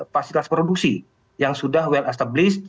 fasilitas produksi yang sudah well established